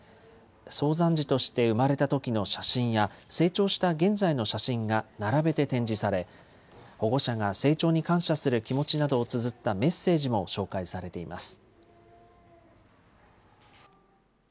早産児として産まれたときの写真や、成長した現在の写真が並べて展示され、保護者が成長に感謝する気持ちなどをつづったメッセージも紹介されています。